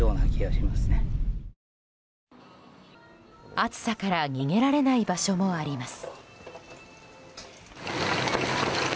暑さから逃げられない場所もあります。